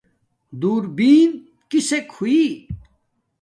درݳبݵن کݵسݵک ہݸئݵ؟